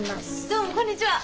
どうもこんにちは。